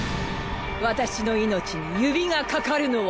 私の命に指が掛かるのは。